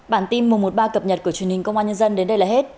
bản tin mùa một ba cập nhật của truyền hình công an nhân dân đến đây là hết